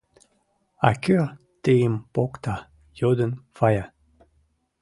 — А кӧ тыйым покта? — йодын Фая.